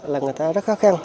là người ta rất khó khăn